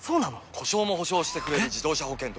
故障も補償してくれる自動車保険といえば？